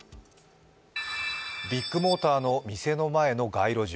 ビッグモーターの店の前の街路樹。